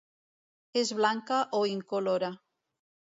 És blanca o incolora.